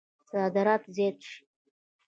صادرات زیات شي.